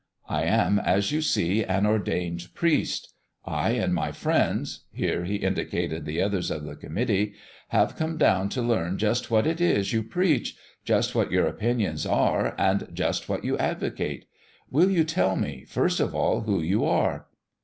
I am, as you see, an ordained priest. I and my friends" here he indicated the others of the committee "have come down to learn just what it is you preach, just what your opinions are, and just what you advocate. Will you tell me, first of all, who you are?"